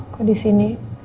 kok di sini